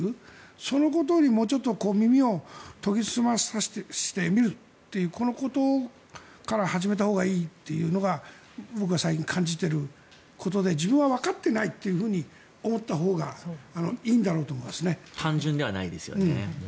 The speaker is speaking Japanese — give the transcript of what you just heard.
そのことにもうちょっと耳を研ぎ澄ましてみるというこのことから始めたほうがいいというのが僕は最近感じていることで自分はわかってないと思ったほうが単純ではないですよね。